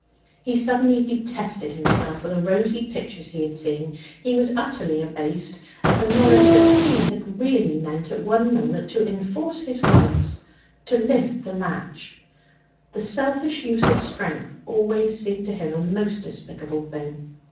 He suddenly detested himself for the rosy pictures he had seen. He was utterly abased at the knowledge that he had really meant at one moment to enforce his rights, to lift the latch. The selfish use of strength always seemed to him a most despicable thing.